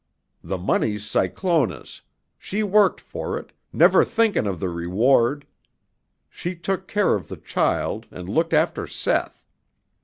"The money's Cyclona's. She worked for it, never thinkin' of the reward. She took care of the child and looked after Seth.